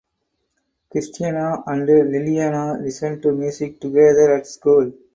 Cristina and Liliana listen to music together at school.